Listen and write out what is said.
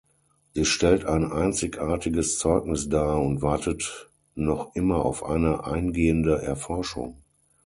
Sie stellt ein einzigartiges Zeugnis dar und wartet noch immer auf eine eingehende Erforschung.